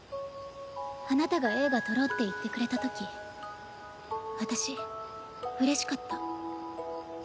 あなたが映画撮ろうって言ってくれたとき私うれしかった。